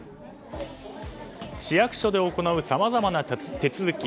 市役所で行うさまざまな手続き。